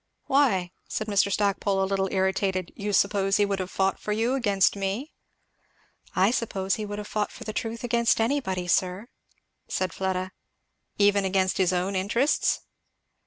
"Why," said Mr. Stackpole a little irritated, "you suppose he would have fought for you against me?" "I suppose he would have fought for truth against anybody, sir," said Fleda. "Even against his own interests?"